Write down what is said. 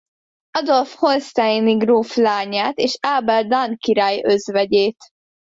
Adolf holsteini gróf lányát és Ábel dán király özvegyét.